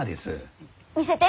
見せて。